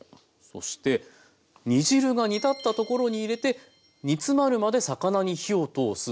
そして「煮汁が煮立ったところに入れて煮詰まるまで魚に火を通す」。